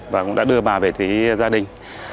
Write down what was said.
và cũng đã đưa bà về tới gia đình